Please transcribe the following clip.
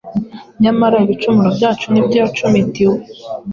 Nyamara ibicumuro byacu ni byo yacumitiwe,